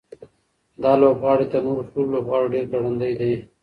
دا لوبغاړی تر نورو ټولو لوبغاړو ډېر ګړندی دی.